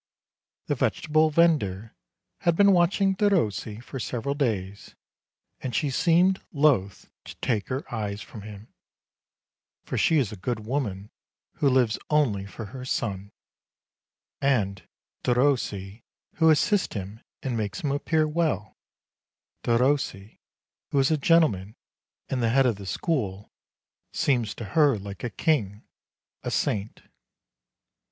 The vegetable vendor had been watching Derossi for several days, and she seemed loath to take her eyes from him, for she is a good woman who lives only for her son; and Derossi, who assists him and makes him appear well, Derossi, who is a gentleman and the head of the school, seems to her a king, a saint.